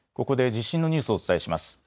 ここで地震のニュースをお伝えします。